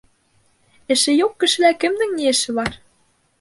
Эше юҡ кешелә кемдең ни эше бар?